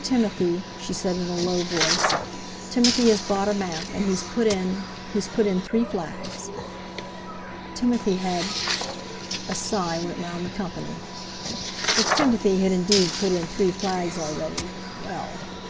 "Timothy," she said in a low voice, "Timothy has bought a map, and he's put in—he's put in three flags." Timothy had...! A sigh went round the company. If Timothy had indeed put in three flags already, well!